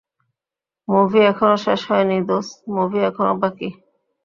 Movie এখনও শেষ হয়নি দোস, মুভি এখনও বাকি।